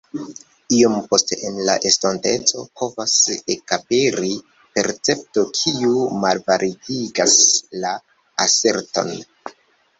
Iam poste en la estonteco povas ekaperi percepto, kiu malvalidigas la aserton.